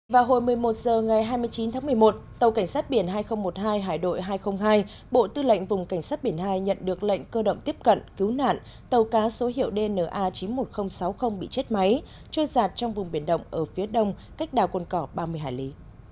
vào hồi một mươi một h ngày hai mươi chín tháng một mươi một tàu cảnh sát biển hai nghìn một mươi hai hải đội hai trăm linh hai bộ tư lệnh vùng cảnh sát biển hai nhận được lệnh cơ động tiếp cận cứu nạn tàu cá số hiệu dna chín mươi một nghìn sáu mươi bị chết máy trôi giạt trong vùng biển động ở phía đông cách đảo cồn cỏ ba mươi hải lý